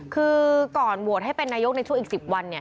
คือก่อนโหวตให้เป็นนายกในช่วงอีก๑๐วันเนี่ย